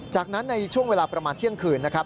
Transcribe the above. จากนั้นในช่วงเวลาประมาณเที่ยงคืนนะครับ